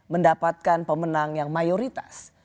mendapatkan pemenang yang mayoritas